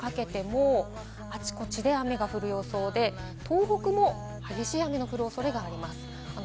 夜にかけてもあちこちで雨が降る予想で、東北も激しい雨の降るおそれがあります。